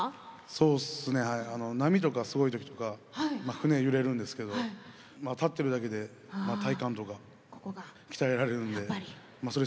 そうっすねはい波とかすごい時とかまあ船揺れるんですけどまあ立ってるだけで体幹とか鍛えられるんでそれ